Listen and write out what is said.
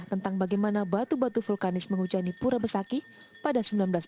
tentang bagaimana batu batu vulkanis menghujani pura besaki pada seribu sembilan ratus delapan puluh